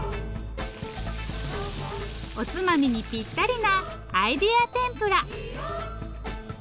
おつまみにピッタリなアイデア天ぷら。